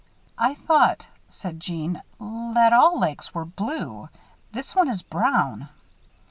"I thought," said Jeanne, "that all lakes were blue. This one is brown."